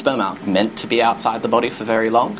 sperma itu diperintahkan untuk berada di luar tubuh selama lama